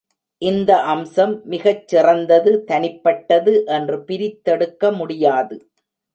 இந்த அம்சம் மிகச் சிறந்தது, தனிப்பட்டது என்று பிரித்தெடுக்க முடியாது.